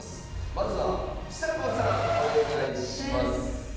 まずはちさ子さんお願いします。